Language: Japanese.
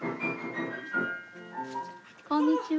こんにちは。